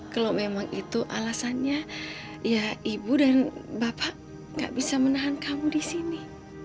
kalau memang itu alasannya ya ibu dan bapak gak bisa menahan kamu di sini